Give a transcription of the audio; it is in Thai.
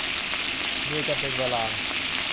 เมียจำเป็น - วรางค์